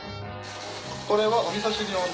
これはお味噌汁用の豆腐？